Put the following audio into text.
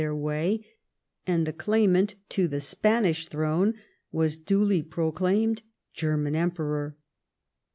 their way, and the claimant to the Spanish throne was duly proclaimed German Emperor.